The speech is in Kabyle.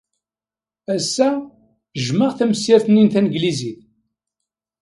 Ass-a, jjmeɣ tamsirt-nni n tanglizit.